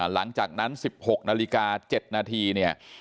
หลังจากนั้นสิบหกนาฬิกาเจ็ดนาทีเนี่ย